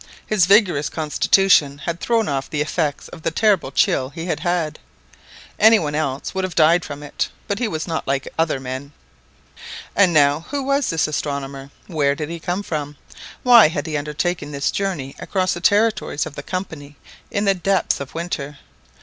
His vigorous constitution had thrown off the effects of the terrible chill he had had. Any one else would have died from it; but he was not like other men. And now who was this astronomer? Where did he come from? Why had he undertaken this journey across the territories of the Company in the depth of winter?